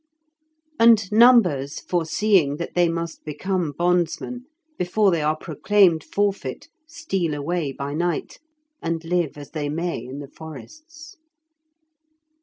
And numbers, foreseeing that they must become bondsmen, before they are proclaimed forfeit steal away by night, and live as they may in the forests.